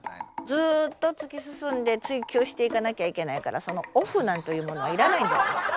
ずっと突き進んで追求していかなきゃいけないからそのオフなんていうものはいらないんじゃ。